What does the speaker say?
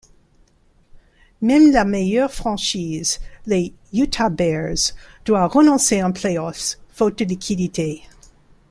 Même la meilleure franchise, les Utah Bears, doit renoncer en playoffs faute de liquidités.